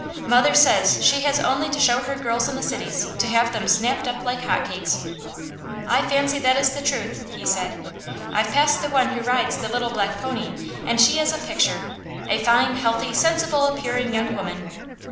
Mother says she has only to show her girls in the cities to have them snapped up like hot cakes." "I fancy that is the truth," he said. "I've passed the one who rides the little black pony and she is a picture. A fine, healthy, sensible appearing young woman!"